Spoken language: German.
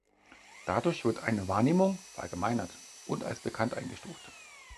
Dadurch wird eine Wahrnehmung "verallgemeinert" und als bekannt eingestuft.